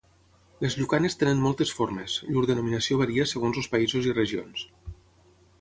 Les llucanes tenen moltes formes; llur denominació varia segons els països i regions.